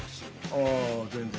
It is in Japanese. ああ全然。